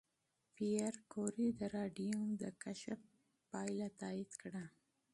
پېیر کوري د راډیوم د کشف پایله تایید کړه.